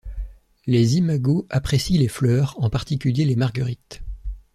Les imagos apprécient les fleurs en particulier les marguerites.